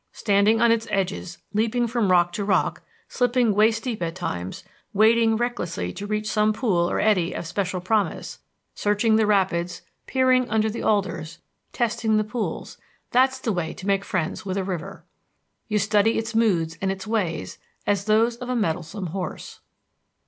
Standing on its edges, leaping from rock to rock, slipping waist deep at times, wading recklessly to reach some pool or eddy of special promise, searching the rapids, peering under the alders, testing the pools; that's the way to make friends with a river. You study its moods and its ways as those of a mettlesome horse.